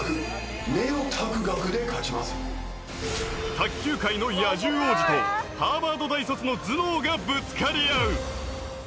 卓球界の野獣王子とハーバード大卒の頭脳がぶつかり合う。